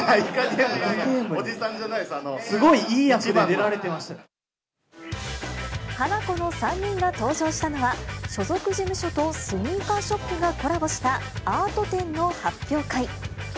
おじさんじゃないです、すごいいい役で出られてましハナコの３人が登場したのは、所属事務所とスニーカーショップがコラボしたアート展の発表会。